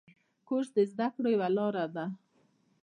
کورس د زده کړو یوه لاره ده.